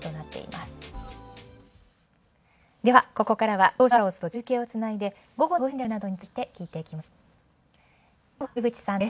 ではここからは東証アローズと中継をつないで午後の投資戦略などについて聞いていきます。